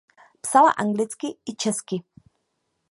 Psala anglicky i česky.